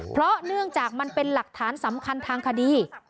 เพราะเนื่องจากมันเป็นหลักฐานสำคัญทางคดี